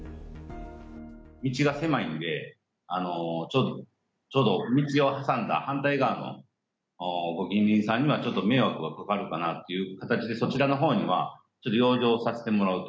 道が狭いんで、ちょうど道を挟んだ反対側のご近隣さんにちょっと迷惑がかかるかなという形で、そちらのほうには、ちょっと養生をさせてもらうと。